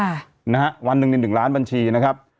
นะฮะวันหนึ่งใน๑ล้านบัญชีนะครับ